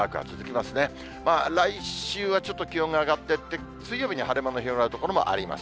まあ来週はちょっと気温が上がってって、水曜日に晴れ間の広がる所もあります。